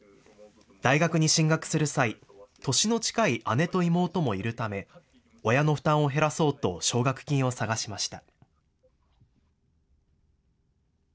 大学に進学する際、年の近い姉と妹もいるため親の負担を減らそうと奨学金を探しました。